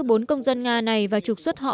bốn công dân nga này và trục xuất họ